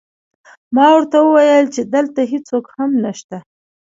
ما ورته وویل چې دلته هېڅوک هم نشته